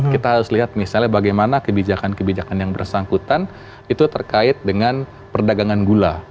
kita harus lihat misalnya bagaimana kebijakan kebijakan yang bersangkutan itu terkait dengan perdagangan gula